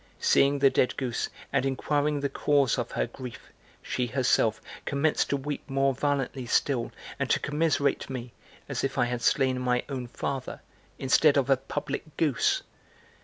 Seeing the dead goose and inquiring the cause of her grief, she herself commenced to weep more violently still and to commiserate me, as if I had slain my own father, instead of a public goose.